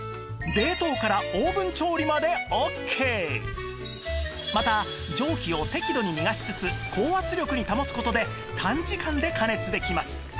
冷凍からまた蒸気を適度に逃がしつつ高圧力に保つ事で短時間で加熱できます